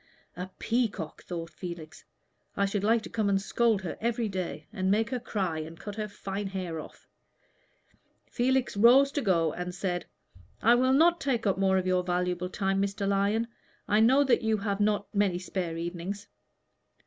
"A peacock!" thought Felix. "I should like to come and scold her every day, and make her cry and cut her fine hair off." Felix rose to go, and said, "I will not take up any more of your valuable time, Mr. Lyon. I know that you have not many spare evenings."